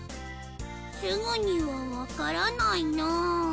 すぐにはわからないなぁ。